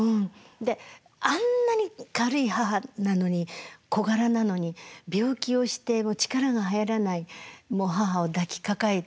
であんなに軽い母なのに小柄なのに病気をして力が入らない母を抱きかかえた時のあのつらさ。